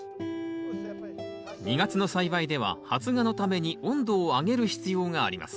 ２月の栽培では発芽のために温度を上げる必要があります。